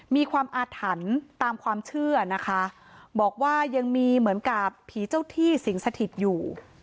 มีความอาถรรพ์ตามความเชื่อนะคะบอกว่ายังมีเหมือนกับผีเจ้าที่สิงสถิตอยู่